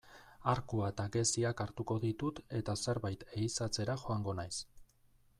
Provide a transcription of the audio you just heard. Arkua eta geziak hartuko ditut eta zerbait ehizatzera joango naiz.